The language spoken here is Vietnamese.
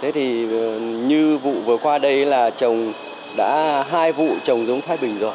thế thì như vụ vừa qua đây là trồng đã hai vụ trồng giống thái bình rồi